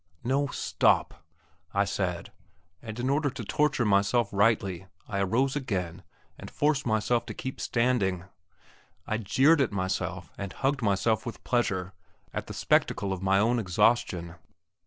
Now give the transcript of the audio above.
"No; stop!" I said, and, in order to torture myself rightly, I arose again, and forced myself to keep standing. I jeered at myself and hugged myself with pleasure at the spectacle of my own exhaustion.